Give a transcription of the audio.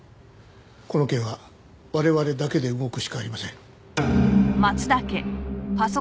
この件は我々だけで動くしかありません。